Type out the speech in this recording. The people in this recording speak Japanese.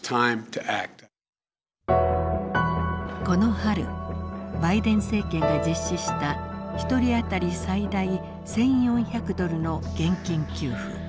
この春バイデン政権が実施した１人当たり最大１，４００ドルの現金給付。